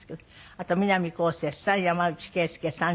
あと南こうせつさん山内惠介さん